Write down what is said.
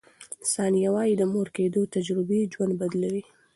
ثانیه وايي، د مور کیدو تجربې ژوند بدلوي.